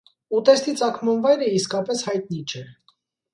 Ուտեստի ծագման վայրը իսկապես հայտնի չէ։